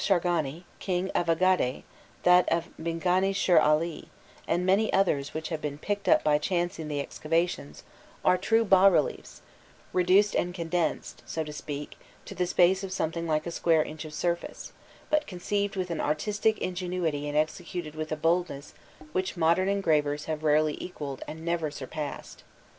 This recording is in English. de Clercq_ The seal of Shargani, King of Agade, that of Bingani shar ali, and many others which have been picked up by chance in the excavations, are true bas reliefs, reduced and condensed, so to speak, to the space of something like a square inch of surface, but conceived with an artistic ingenuity and executed with a boldness which modern engravers have rarely equalled and never surpassed.